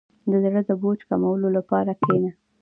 • د زړۀ د بوج کمولو لپاره کښېنه.